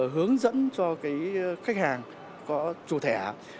hướng dẫn cho khách hàng có chủ thẻ